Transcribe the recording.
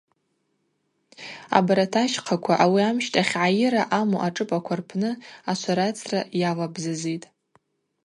Абарат ащхъаква, ауи амщтахь гӏайыра ъамуа ашӏыпӏаква рпны ашварацра йалабзазитӏ.